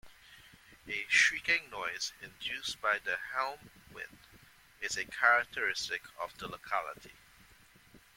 A shrieking noise induced by the Helm Wind is a characteristic of the locality.